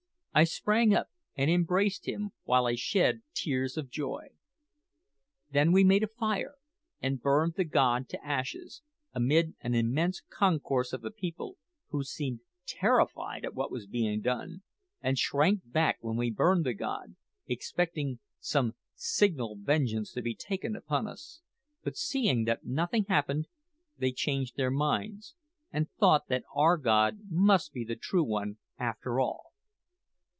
I sprang up and embraced him, while I shed tears of joy. Then we made a fire and burned the god to ashes, amid an immense concourse of the people, who seemed terrified at what was being done, and shrank back when we burned the god, expecting some signal vengeance to be taken upon us; but seeing that nothing happened, they changed their minds, and thought that our God must be the true one after all.